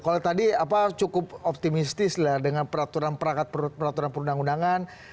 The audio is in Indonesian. kalau tadi cukup optimistis dengan peraturan perangkat peraturan perundang undangan